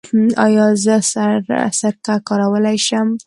ایا زه سرکه کارولی شم؟